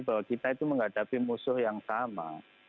bahwa kita itu menghadapi musuh yang sama